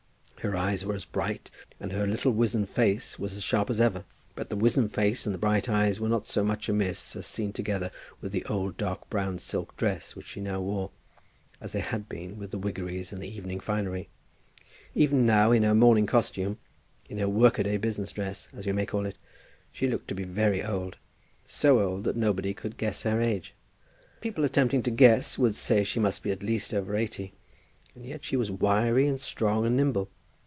Her eyes were as bright, and her little wizen face was as sharp, as ever; but the wizen face and the bright eyes were not so much amiss as seen together with the old dark brown silk dress which she now wore, as they had been with the wiggeries and the evening finery. Even now, in her morning costume, in her work a day business dress, as we may call it, she looked to be very old, so old that nobody could guess her age. People attempting to guess would say that she must be at least over eighty. And yet she was wiry, and strong, and nimble.